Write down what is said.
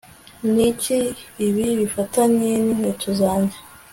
niki ibi bifatanye ninkweto zanjye